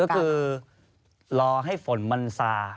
ก็คือรอให้ฝนมันซา